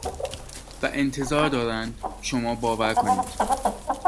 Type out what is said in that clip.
و انتظار دارند شما باور کنید!